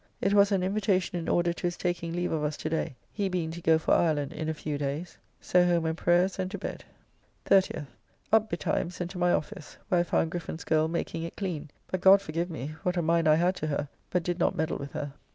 It was an invitation in order to his taking leave of us to day, he being to go for Ireland in a few days. So home and prayers, and to bed. 30th. Up betimes, and to my office, where I found Griffen's girl making it clean, but, God forgive me! what a mind I had to her, but did not meddle with her.